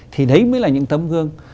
thì đấy mới là những tấm gương